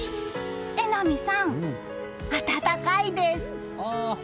榎並さん暖かいです。